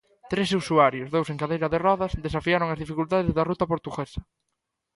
Trece usuarios, dous en cadeira de rodas, desafiaron as dificultades da ruta portuguesa.